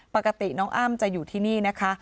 ปกติน้องอ้ำจะอยู่ที่นี่นะคะ